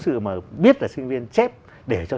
sự mà biết là sinh viên chép để cho